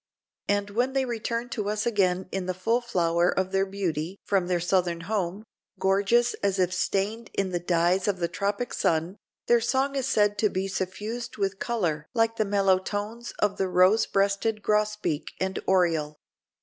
And when they return to us again in the full flower of their beauty from their southern home, gorgeous as if stained in the dyes of the tropic sun, their song is said to be suffused with color like the mellow tones of the rose breasted grosbeak and oriole.